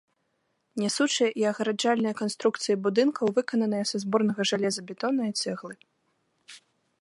Нясучыя і агараджальныя канструкцыі будынкаў выкананыя са зборнага жалезабетону і цэглы.